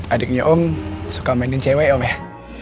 adiknya om suka mainin cewek om ya